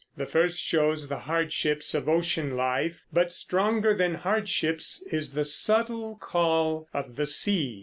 The first shows the hardships of ocean life; but stronger than hardships is the subtle call of the sea.